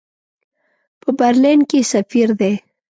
په برلین کې سفیر دی.